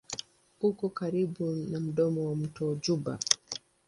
Uko karibu na mdomo wa mto Juba.